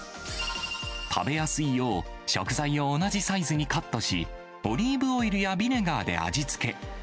食べやすいよう、食材を同じサイズにカットし、オリーブオイルやビネガーで味付け。